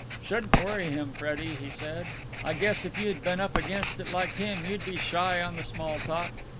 "I shouldn't worry him, Freddie," he said. "I guess if you had been up against it like him you'd be shy on the small talk.